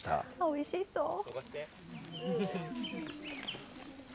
おいしそう。